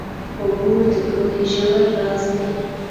اوبه د کوهي ژور راز دي.